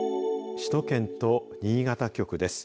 首都圏と新潟局です。